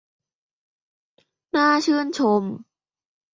น่าชื่นชม